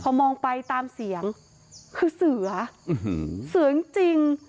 พอมองไปตามเสียงคือสื่ออื้อหือสื่อจริงจริง